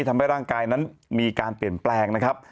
ทำให้ร่างกายนั้นมีการเปลี่ยนแปลงนะครับ